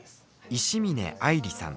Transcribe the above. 石嶺愛莉さん。